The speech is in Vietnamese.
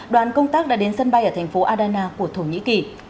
đoàn công tác đã đến sân bay ở thành phố adena của thổ nhĩ kỳ